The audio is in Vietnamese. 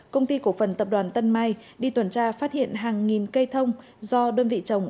công ty cổ phần tập đoàn tân mai đi tuần tra phát hiện hàng nghìn cây thông do đơn vị trồng